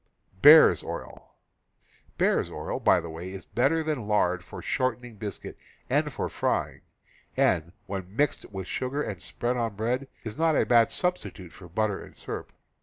Bear's oil, by the way, is better than lard for short ening biscuit and for frying, and, when mixed with ^,^.. sugar and spread on bread, is not a bad substitute for butter and syrup.